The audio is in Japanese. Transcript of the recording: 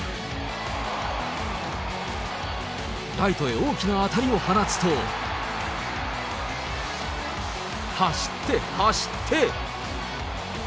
ライトへ大きな当たりを放つと、走って、走って。